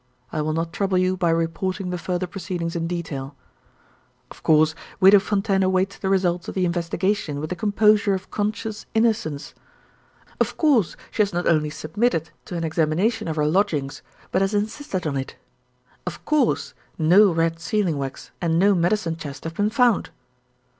I will not trouble you by reporting the further proceedings in detail. "Of course, Widow Fontaine awaits the result of the investigation with the composure of conscious innocence. Of course, she has not only submitted to an examination of her lodgings, but has insisted on it. Of course, no red sealing wax and no medicine chest have been found.